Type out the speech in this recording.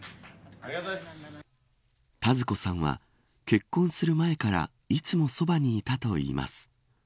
田鶴子さんは結婚する前からいつもそばにいたといいます。